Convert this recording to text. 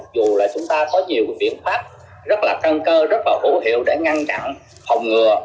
dù là chúng ta có nhiều biện pháp rất là căn cơ rất là hữu hiệu để ngăn chặn phòng ngừa